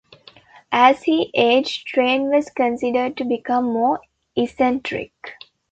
As he aged, Train was considered to become more eccentric.